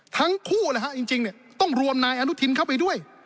ทั้งคู่นะฮะจริงต้องรวมนายอนุทินเข้าไปด้วย